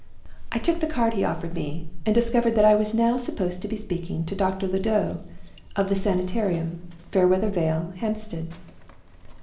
"I took the card he offered me, and discovered that I was now supposed to be speaking to 'Doctor Le Doux, of the Sanitarium, Fairweather Vale, Hampstead!